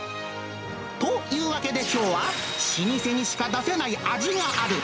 というわけで、きょうは、老舗にしか出せない味がある。